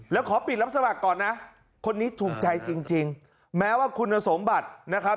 แล้วขอปิดรับสมัครก่อนนะคนนี้ถูกใจจริงแม้ว่าคุณสมบัตินะครับ